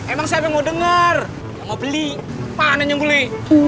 emang siapa yang mau denger yang mau beli mana yang beli